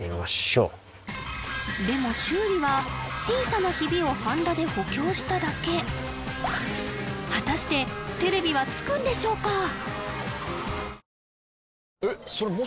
でも修理は小さなひびをはんだで補強しただけ果たしてテレビはつくんでしょうか？